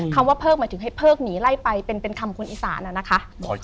คำว่าเพิกหมายถึงให้เพิกหนีไล่ไปเป็นคำคนอีสานนะคะ